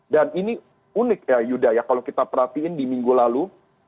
dan ini unik ya yuda ya kalau kita perhatiin di minggu lalu